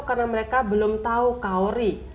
karena mereka belum tahu kawari